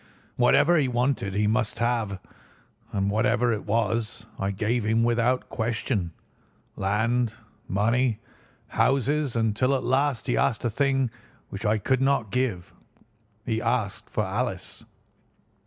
Whatever he wanted he must have, and whatever it was I gave him without question, land, money, houses, until at last he asked a thing which I could not give. He asked for Alice.